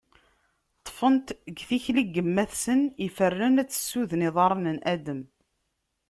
Ṭfent deg tikli n yemma-tsent ifernen ad tessuden iḍarren n Adem.